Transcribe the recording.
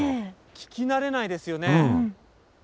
聞き慣れないですよね。